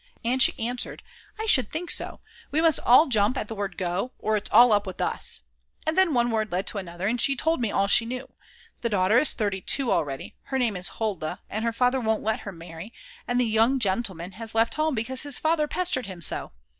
And she answered: "I should think so; we must all jump at the word go or it's all up with us!" And then one word led to another, and she told me all she knew; the daughter is 32 already, her name is Hulda and her father won't let her marry, and the young gentleman has left home because his father pestered him so.